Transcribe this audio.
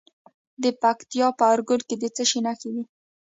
د پکتیکا په ارګون کې د څه شي نښې دي؟